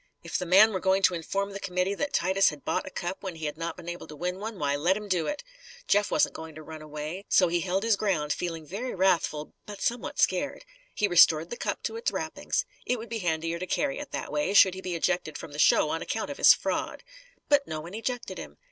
If the man were going to inform the committee that Titus had bought a cup when he had not been able to win one, why, let him do it! Jeff wasn't going to run away. So he held his ground, feeling very wrathful, but somewhat scared. He restored the cup to its wrappings. It would be handier to carry it, that way, should he be ejected from the show on account of his fraud. But no one ejected him.